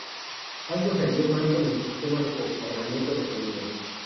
Algo salió mal con el sistema de posicionamiento de sonido.